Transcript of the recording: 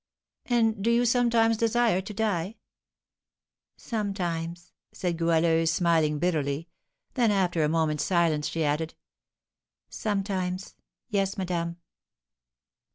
"And do you sometimes desire to die?" "Sometimes!" said Goualeuse, smiling bitterly. Then, after a moment's silence, she added, "Sometimes, yes, madame."